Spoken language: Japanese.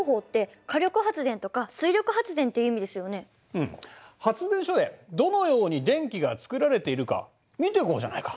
うん発電所でどのように電気が作られているか見ていこうじゃないか。